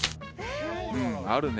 うんあるね。